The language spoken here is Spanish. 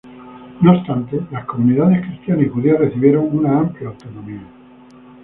No obstante, las comunidades cristiana y judía recibieron una amplia autonomía.